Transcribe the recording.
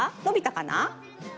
のびたかな？